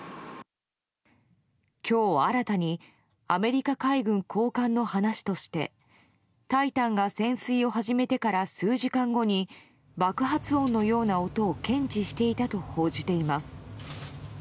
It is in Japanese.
今日新たにアメリカ海軍高官の話として「タイタン」が潜水を始めてから数時間後に爆発音のような音を検知していたと報じています。